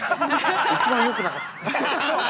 ◆一番よくなかった。